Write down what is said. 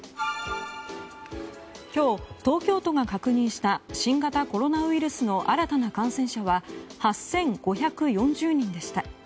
今日、東京都が確認した新型コロナウイルスの新たな感染者は８５４０人でした。